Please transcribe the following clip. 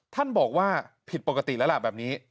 ท่านบอกว่าผิดปกติแล้วล่ะแบบนี้